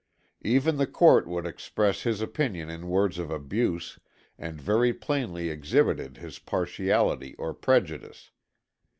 "Even the court would express his opinion in words of abuse and very plainly exhibited his partiality or prejudice.